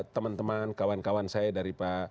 teman teman kawan kawan saya dari pak